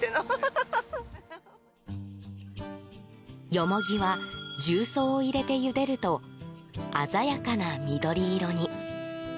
ヨモギは重曹を入れてゆでると鮮やかな緑色に。